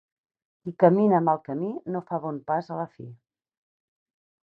Qui camina mal camí no fa bon pas a la fi.